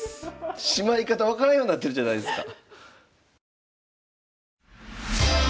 しまい方分からんようなってるじゃないですか。